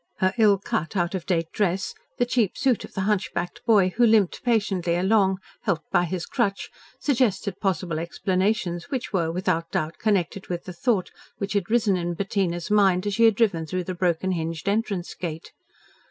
Her ill cut, out of date dress, the cheap suit of the hunchbacked boy, who limped patiently along, helped by his crutch, suggested possible explanations which were without doubt connected with the thought which had risen in Bettina's mind, as she had been driven through the broken hinged entrance gate.